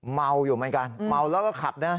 เมาอยู่เหมือนกันเมาแล้วก็ขับนะ